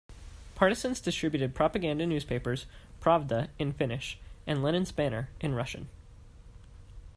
Partisans distributed propaganda newspapers, "Pravda" in Finnish and "Lenin's Banner" in Russian.